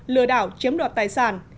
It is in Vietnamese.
lừa đảo chiếm đoạt tài sản